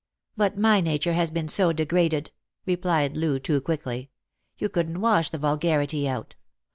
" But my nature has been so degraded," replied Loo quickly. " You couldn't wash the vulgarity out.